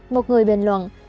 một người bình luận